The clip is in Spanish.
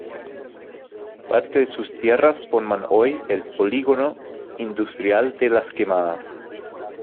Parte de sus tierras forman hoy el Polígono Industrial de las Quemadas.